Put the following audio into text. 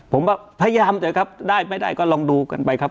ผมว่าพยายามเถอะครับได้ไม่ได้ก็ลองดูกันไปครับ